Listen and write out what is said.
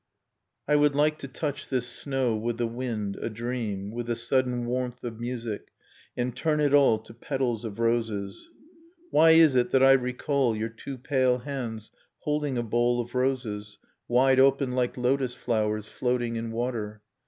I Avould like to touch this snow with the wind a dream, With a sudden warmth of music, and turn it all To petals of roses ... Why is it that I recall Your two pale hands holding a bowl of roses. Wide open like lotos flowers, floating in water?